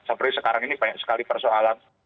seperti sekarang ini banyak sekali persoalan